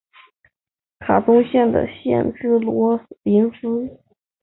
卡本县的县治罗林斯。